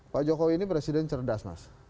pak jokowi ini presiden cerdas mas